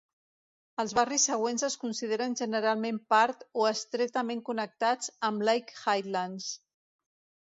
Els barris següents es consideren generalment part o estretament connectats amb Lake Highlands.